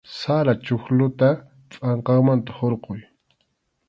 Sara chuqlluta pʼanqanmanta hurquy.